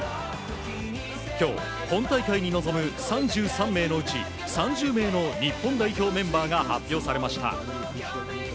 今日、本大会に臨む３３名のうち３０名の日本代表メンバーが発表されました。